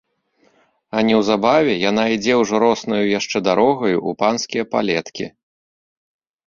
А неўзабаве яна ідзе ўжо роснаю яшчэ дарогаю ў панскія палеткі.